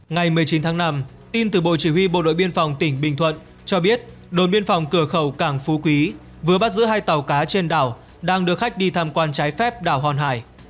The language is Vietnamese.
ngày một mươi chín tháng năm tin từ bộ chỉ huy bộ đội biên phòng tỉnh bình thuận cho biết đồn biên phòng cửa khẩu cảng phú quý vừa bắt giữ hai tàu cá trên đảo đang đưa khách đi tham quan trái phép đảo hòn hải